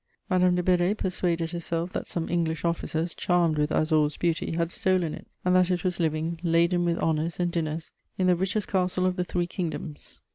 Madame de Bedée persuaded herself that some English officers, charmed with Azor's beauty, had stolen it, and that it was living, laden with honours and dinners, in the richest castle of the Three Kingdoms.